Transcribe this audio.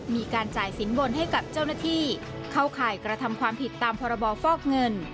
มีการจ่ายสินบนให้กับเจ้าหน้าที่เข้าข่ายกระทำความผิดตามพรบฟอกเงิน